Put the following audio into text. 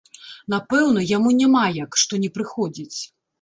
Напэўна, яму няма як, што не прыходзіць.